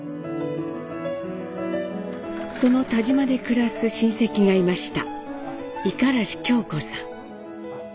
その田島で暮らす親戚がいました。